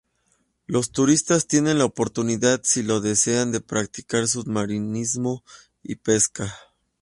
Los turistas tienen la oportunidad si lo desean de practicar submarinismo y pesca.